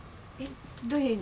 どういう意味？